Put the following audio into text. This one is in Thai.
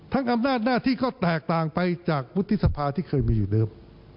อำนาจหน้าที่ก็แตกต่างไปจากวุฒิสภาที่เคยมีอยู่เดิม